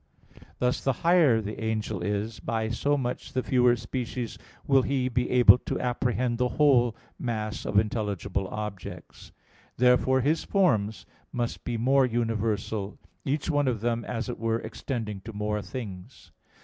Thus the higher the angel is, by so much the fewer species will he be able to apprehend the whole mass of intelligible objects. Therefore his forms must be more universal; each one of them, as it were, extending to more things.